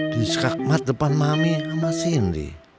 kiskakmat depan mami sama cindy